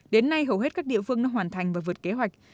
đến nay hầu hết các địa phương đã hoàn thành và vượt kế hoạch